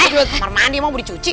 kamar mandi emang mau dicuci